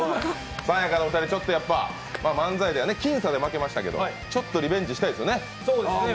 さや香のお二人、漫才では僅差で負けましたけどちょっとリベンジしたいですよね？